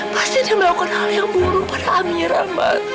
pasti dia melakukan hal yang buruk pada amira mas